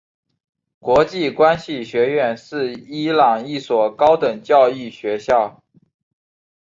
国际关系学院是伊朗一所高等教育学校。